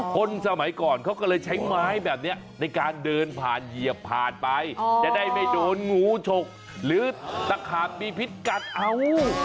คนสมัยก่อนเขาก็เลยใช้ไม้แบบนี้ในการเดินผ่านเหยียบผ่านไปจะได้ไม่โดนงูฉกหรือตะขาบมีพิษกัดเอา